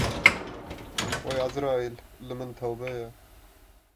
Wey Ezraîl li min tewbe ye